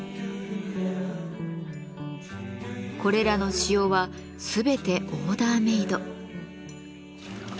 これらの塩は全てオーダーメイド。